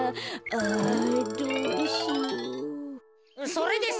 それでさ。